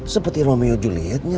seperti romeo julietnya